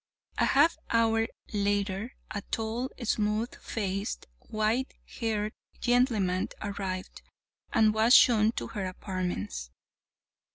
A half hour later a tall, smooth faced, white haired gentleman arrived, and was shown to her apartments.